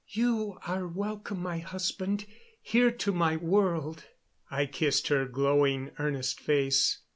"You are welcome, my husband, here to my world." I kissed her glowing, earnest face.